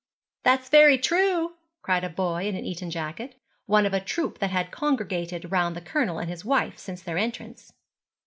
'That's very true,' cried a boy in an Eton jacket, one of a troop that had congregated round the Colonel and his wife since their entrance.